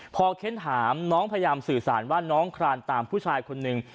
พอเค้นถามน้องพยายามสื่อสารว่าน้องคลานตามผู้ชายคนนึง